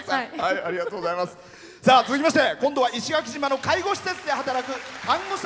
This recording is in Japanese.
続きまして今度は石垣島の介護施設で働く看護師。